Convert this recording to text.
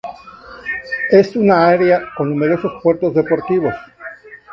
Es un área con numerosos puertos deportivos.